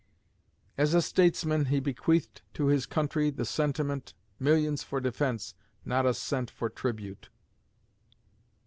"As a Statesman he bequeathed to his country the sentiment, 'Millions for defence not a cent for tribute.'"